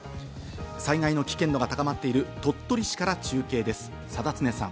災害の危険度が高まっている鳥取市から中継です、定常さん。